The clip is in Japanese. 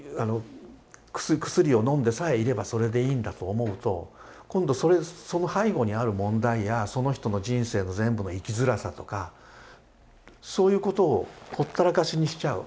薬をのんでさえいればそれでいいんだと思うと今度はその背後にある問題やその人の人生の全部の生きづらさとかそういうことをほったらかしにしちゃう。